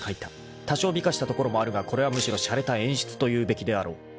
［多少美化したところもあるがこれはむしろしゃれた演出というべきであろう］